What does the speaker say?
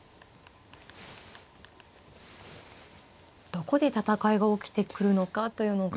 どこで戦いが起きてくるのかというのが。